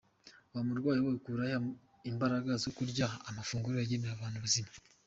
Wa murwayi we ukura he imbaraga zo kurya amafunguro yagenewe abantu bazima?